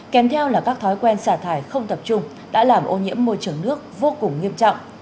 kèm theo là các thói quen xả thải không tập trung đã làm ô nhiễm môi trường nước vô cùng nghiêm trọng